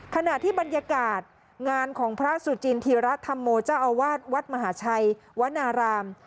ขณะที่บรรยากาศงานของพระสุจินธีระธรรโมเจ้าอาวาสวัดมหาชัยวนาราม